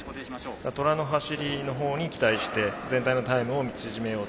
トラの走りのほうに期待して全体のタイムを縮めようと。